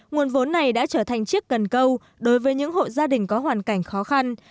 nguồn vốn này đã trở thành chiếc cần câu đối với những hộ gia đình có hoàn cảnh khó khăn